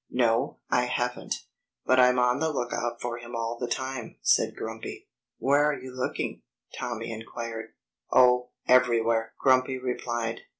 "No, I haven't. But I'm on the lookout for him all the time," said Grumpy. "Where are you looking?" Tommy inquired. "Oh! Everywhere!" Grumpy replied.